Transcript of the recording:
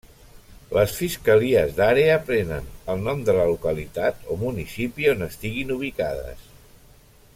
Les fiscalies d’àrea prenen el nom de la localitat o municipi on estiguin ubicades.